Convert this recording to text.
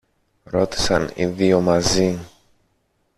ρώτησαν οι δυο μαζί.